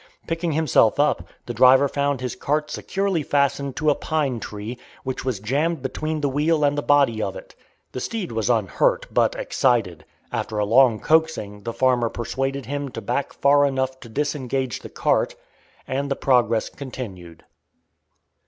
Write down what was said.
Picking himself up, the driver found his cart securely fastened to a pine tree, which was jammed between the wheel and the body of it. The steed was unhurt, but excited. After a long coaxing the farmer persuaded him to back far enough to disengage the cart, and the progress continued.